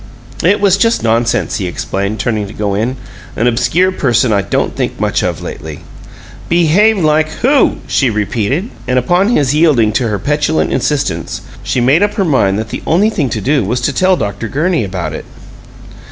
"It was just nonsense," he explained, turning to go in. "An obscure person I don't think much of lately." "Behave like WHO?" she repeated, and upon his yielding to her petulant insistence, she made up her mind that the only thing to do was to tell Dr. Gurney about it.